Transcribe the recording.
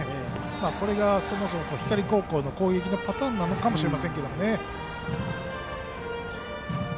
これがそもそも光高校の攻撃パターンかもしれませんが。